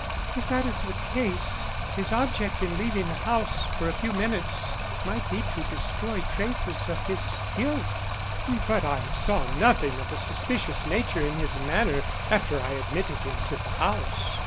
"If that is the case, his object in leaving the house for a few minutes might be to destroy traces of his guilt. But I saw nothing of a suspicious nature in his manner after I admitted him to the house."